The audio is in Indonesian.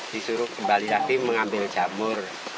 disuruh kembali lagi mengambil jamur